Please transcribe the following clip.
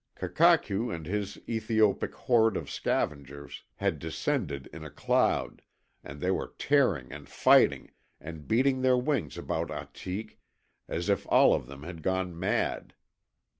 Kakakew and his Ethiopic horde of scavengers had descended in a cloud, and they were tearing and fighting and beating their wings about Ahtik as if all of them had gone mad.